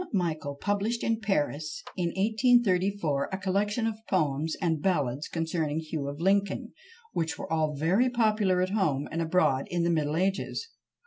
Michel published in Paris, in 1834, a collection of poems and ballads concerning Hugh of Lincoln, which were all very popular at home and abroad in the Middle Ages.